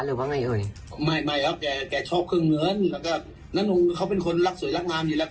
หรือว่าไงเอ๋ยไม่เขาเป็นคนรักสวยรักน้ำอยู่แล้ว